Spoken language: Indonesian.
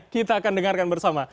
kita akan dengarkan bersama